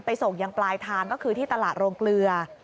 ส่งยังปลายทางก็คือที่ตลาดโรงเกลือ